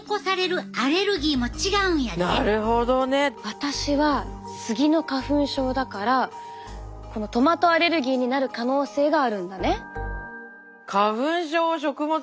私はスギの花粉症だからこのトマトアレルギーになる可能性があるんだね。